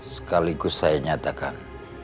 sekaligus saya nyatakan